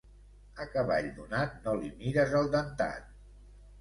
A cavall donat no li mires el dentat.